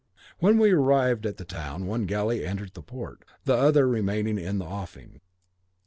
When we arrived at the town one galley entered the port, the other remained in the offing.